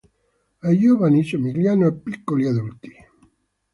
I giovani somigliano a piccoli adulti.